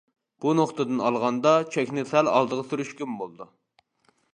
بۇ نۇقتىدىن ئالغاندا چەكنى سەل ئالدىغا سۈرۈشكىمۇ بولىدۇ.